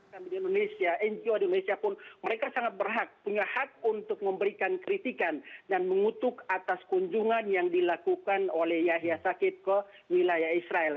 karena di indonesia ngo di indonesia pun mereka sangat berhak punya hak untuk memberikan kritikan dan mengutuk atas kunjungan yang dilakukan oleh yahya sakit ke wilayah israel